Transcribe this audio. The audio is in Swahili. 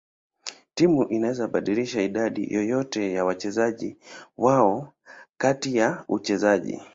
Timu zinaweza kubadilisha idadi yoyote ya wachezaji wao kati ya uchezaji.